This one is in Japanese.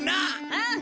うん。